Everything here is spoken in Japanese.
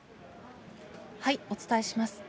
お伝えします。